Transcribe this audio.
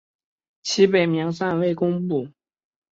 其本名暂未公布。